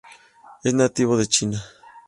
Es nativo de China.